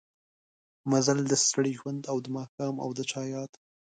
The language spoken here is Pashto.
مزل د ستړي ژوند او دا ماښام او د چا ياد